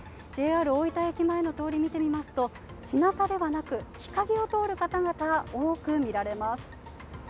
ＪＲ大分駅前の通り、見てみますと、ひなたではなく、日陰を通る方々が多く見られます。